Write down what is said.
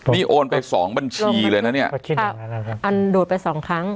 นี่โอนไปสองบัญชีเลยนะเนี่ยอันดูดไปสองครั้ง